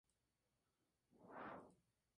El suceso tuvo lugar en Madrid, en la calle Barquillo.